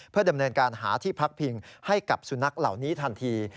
เพื่อดำเนินการหาที่พักพิงให้กับสุนัขเหล่านี้ทันที